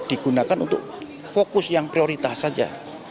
digunakan untuk fokus yang prioritas saja